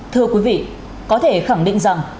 thưa quý vị có thể khẳng định rằng